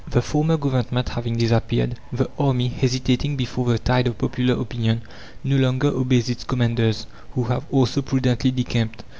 The former Government having disappeared, the army, hesitating before the tide of popular opinion, no longer obeys its commanders, who have also prudently decamped.